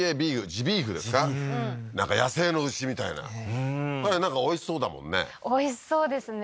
ジビーフなんか野生の牛みたいなうんなんかおいしそうだもんねおいしそうですね